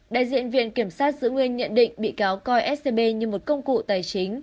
đại diện viện kiểm sát giữ nguyên nhận định bị cáo coi scb như một công cụ tài chính